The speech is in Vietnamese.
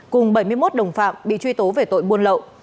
cùng bảy mươi một đồng phạm bị truy tố về tội buôn lậu